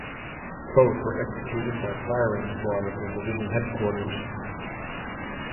Both were executed by firing squad at their division headquarters.